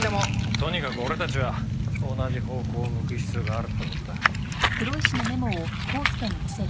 とにかく俺たちは同じ方向を向く必要があるって事だ。